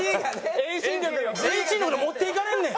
遠心力で持っていかれんねん！